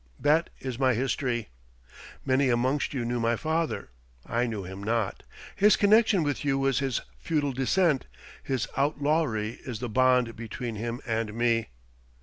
That is my history. Many amongst you knew my father. I knew him not. His connection with you was his feudal descent; his outlawry is the bond between him and me.